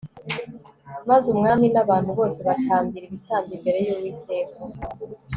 maze umwami n'abantu bose batambira ibitambo imbere y'uwiteka